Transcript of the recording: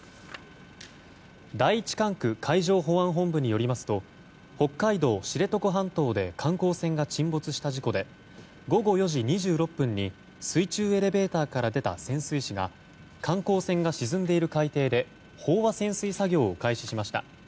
第１管区海上保安本部によりますと北海道知床半島で観光船が沈没した事故で午後４時２６分に水中エレベーターから出た潜水士が観光船が沈んでいる海底で飽和潜水作業を開始しました。